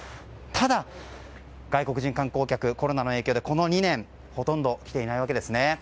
ただ、外国人観光客コロナの影響でこの２年ほとんど来ていないわけですね。